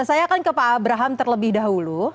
saya akan ke pak abraham terlebih dahulu